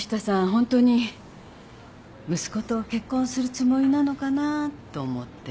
本当に息子と結婚するつもりなのかなと思って。